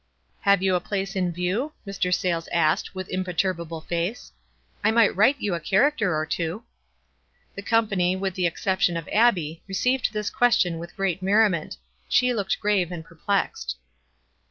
"Have you a place in view?" Mr. Sayles asked, with imperturbable face. "I might write you a character or two." The company, with the exception of Abbie, received this question with great merriment. She looked grave and perplexed.